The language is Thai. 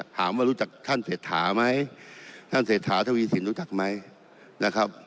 รู้จักท่านเศรษฐาไหมท่านเศรษฐาทวีสินรู้จักไหมนะครับ